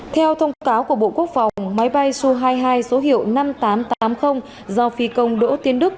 theo thông cáo của bộ quốc phòng máy bay su hai mươi hai số hiệu năm nghìn tám trăm tám mươi do phi công đỗ tiến đức